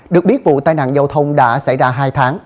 được biết vụ tai nạn giao thông đã xảy ra hai tháng